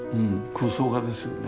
空想画ですよね。